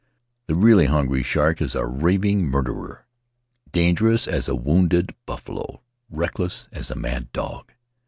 The really hungry shark is a ravening murderer — dangerous as a wounded buffalo, reckless as a mad dog.